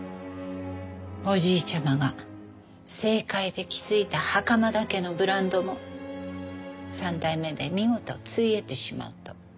おじいちゃまが政界で築いた袴田家のブランドも３代目で見事潰えてしまうと。